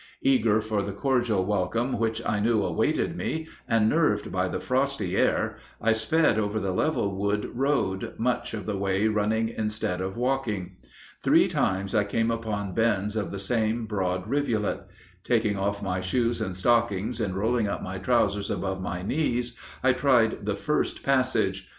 Eager for the cordial welcome which I knew awaited me, and nerved by the frosty air, I sped over the level wood road, much of the way running instead of walking. Three times I came upon bends of the same broad rivulet. Taking off my shoes and stockings and rolling up my trousers above my knees, I tried the first passage.